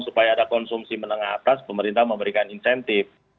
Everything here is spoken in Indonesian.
supaya ada konsumsi menengah atas pemerintah memberikan insentif